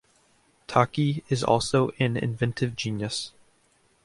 Taki is also an inventive genius.